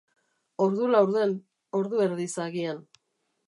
Ordu laurden, ordu erdiz agian.